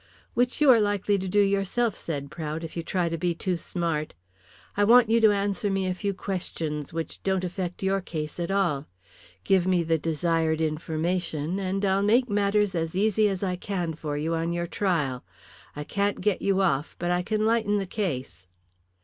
"Which you are likely to do yourself," said Prout, "if you try to be too smart. I want you to answer me a few questions, which don't affect your case at all. Give me the desired information, and I'll make matters as easy as I can for you on your trial. I can't get you off, but I can lighten the case."